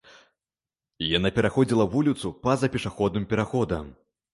Яна пераходзіла вуліцу па-за пешаходным пераходам.